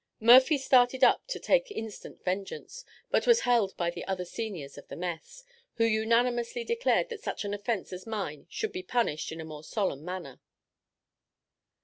Murphy started up to take instant vengeance, but was held by the other seniors of the mess, who unanimously declared that such an offence as mine should be punished in a more solemn manner.